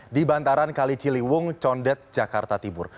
di bantaran kaliciliwung condet jakarta timur